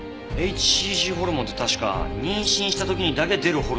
ｈＣＧホルモンって確か妊娠した時にだけ出るホルモンですよね？